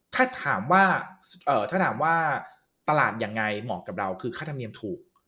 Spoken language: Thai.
ถ้าถามว่าถ้าถามว่าตลาดยังไงเหมาะกับเราคือค่าธรรมเนียมถูก